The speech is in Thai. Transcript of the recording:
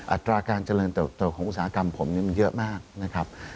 อัตราการเจริญเติบโตของอุตสาหกรรมผมมันเยอะมากนะครับ